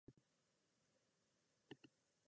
本規約にはカリフォルニア州の法律が適用されます。